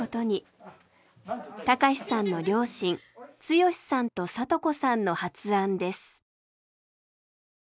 隆さんの両親毅さんと聡子さんの発案です。